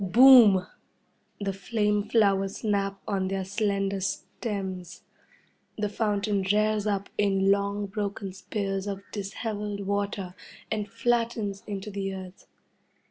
Boom! The flame flowers snap on their slender stems. The fountain rears up in long broken spears of dishevelled water and flattens into the earth.